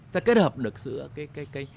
ta kết hợp được sự cái